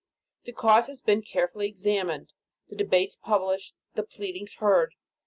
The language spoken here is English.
The cause has been carefully examined, the debates published, the pleadings heard.